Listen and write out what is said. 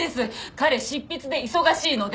彼執筆で忙しいので！